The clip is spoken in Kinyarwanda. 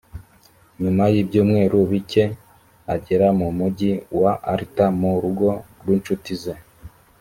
nyuma y’ibyumweru bike agera mu mugi wa alta mu rugo rw’ incuti ze